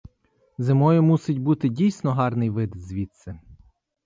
Зимою мусить бути дійсно гарний вид звідси.